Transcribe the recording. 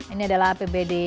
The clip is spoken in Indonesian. ini adalah apbd